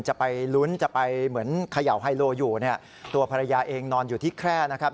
จะไปลุ้นจะไปเหมือนเขย่าไฮโลอยู่เนี่ยตัวภรรยาเองนอนอยู่ที่แคร่นะครับ